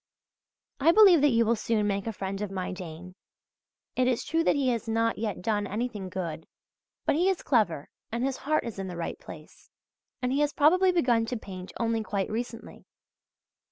I believe that you will soon make a friend of my Dane. It is true that he has not yet done anything good; but he is clever and his heart is in the right place, and he has probably begun to paint only quite recently.